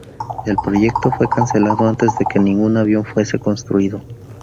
El proyecto fue cancelado antes de que ningún avión fuese construido.